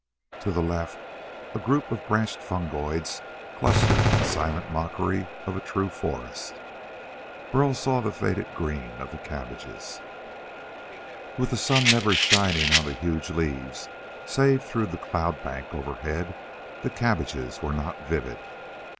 To the left a group of branched fungoids clustered in silent mockery of a true forest. Burl saw the faded green of the cabbages. With the sun never shining on the huge leaves save through the cloud bank overhead, the cabbages were not vivid.